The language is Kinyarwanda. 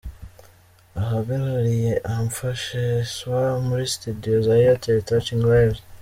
Abahagarariye Enfant Chez Soi muri studio za Airtel Touching Lives.